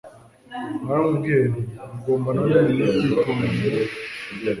Naramubwiye nti Ugomba na none kwitondera